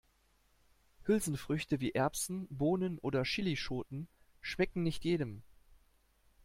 Hülsenfrüchte wie Erbsen, Bohnen oder Chillischoten schmecken nicht jedem.